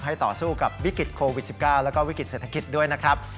ต่อสู้กับวิกฤตโควิด๑๙แล้วก็วิกฤติเศรษฐกิจด้วยนะครับ